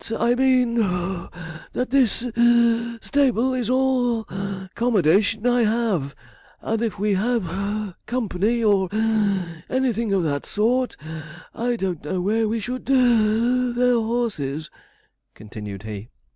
I mean (puff) that this (wheeze) stable is all the 'commodation I have; and if we had (puff) company, or anything of that sort, I don't know where we should (wheeze) their horses,' continued he.